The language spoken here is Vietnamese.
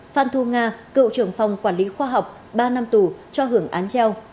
phan thu nga cựu trưởng phòng quản lý khoa học ba năm tù cho hưởng án treo